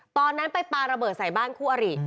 ตอนนั้นไปปลาระเบิดใส่บ้านคู่อริ